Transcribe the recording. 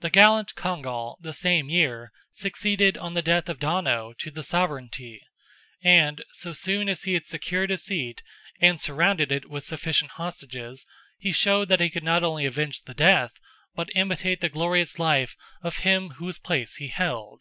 The gallant Congal, the same year, succeeded on the death of Donogh to the sovereignty, and, so soon as he had secured his seat, and surrounded it with sufficient hostages, he showed that he could not only avenge the death, but imitate the glorious life of him whose place he held.